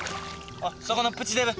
そこのプチデブ。